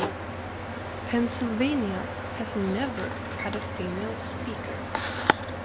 Pennsylvania has never had a female speaker.